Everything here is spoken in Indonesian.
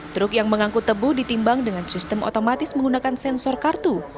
truk yang mengangkut tebu ditimbang dengan sistem otomatis menggunakan sensor kartu